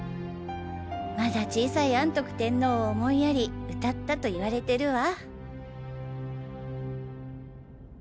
まだ小さい安徳天皇を思いやり歌ったと言われてるわ。